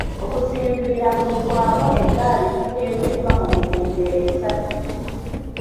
Okusinziira ku Lukwago eggaali zitegekeddwa mu mitendera esatu .